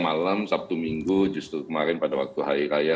malam sabtu minggu justru kemarin pada waktu hari raya